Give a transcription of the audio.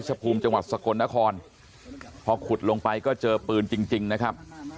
ภูมิจังหวัดสกลนครพอขุดลงไปก็เจอปืนจริงจริงนะครับ